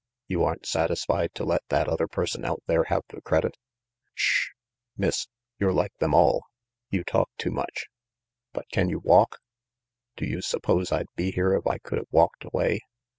You aren't satisfied to let that other person out there have the credit "Sh h! Miss, you're like them all. You talk too much. But can you walk?" "Do you suppose I'd be here if I could have walked away?